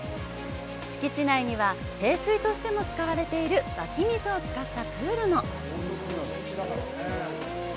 敷地内には、聖水としても使われている湧き水を使ったプールも。